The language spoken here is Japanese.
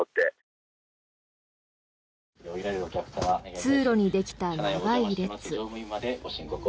通路にできた長い列。